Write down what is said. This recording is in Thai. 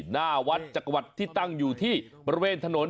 หน้าวัดจักรวรรดิที่ตั้งอยู่ที่บริเวณถนน